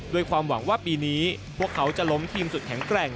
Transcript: ด้วยความหวังว่าปีนี้พวกเขาจะล้มทีมสุดแข็งแกร่ง